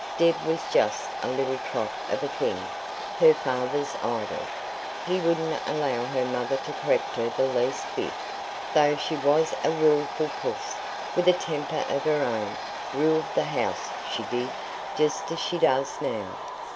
"Deb was just a little trot of a thing her father's idol; he wouldn't allow her mother to correct her the least bit, though she was a wilful puss, with a temper of her own; ruled the house, she did, just as she does now.